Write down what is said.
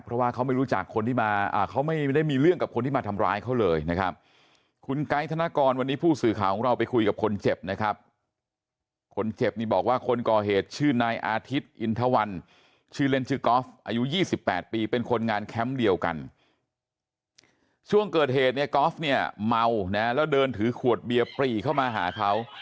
เพราะเขาไม่ได้มีเรื่องมีราวกับคนที่มาก่อเหตุเลยอ่าอยู่อยู่กะโดนเหรอฮะ